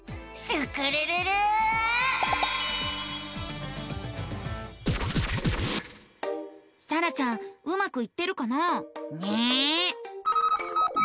さらちゃんうまくいってるかな？ね。